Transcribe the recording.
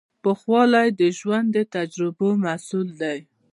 پوخوالی د ژوند د تجربو محصول دی.